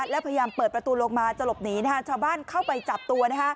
แล้วพยายามเปิดประตูลงมาจะหลบหนีชาวบ้านเข้าไปจับตัว